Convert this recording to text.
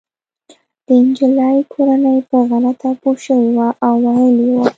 د انجلۍ کورنۍ په غلطه پوه شوې وه او وهلې يې وه